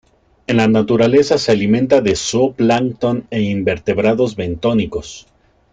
En la naturaleza se alimenta de zooplancton e invertebrados bentónicos.